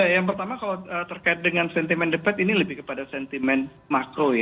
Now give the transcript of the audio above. yang pertama kalau terkait dengan sentimen the fed ini lebih kepada sentimen makro